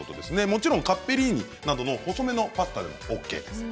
もちろんカッペリーニなどの細めのパスタでもＯＫです。